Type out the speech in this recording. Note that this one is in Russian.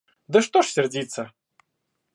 Да что ж сердиться!